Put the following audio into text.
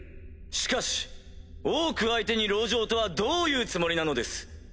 しかしオーク相手に籠城とはどういうつもりなのです？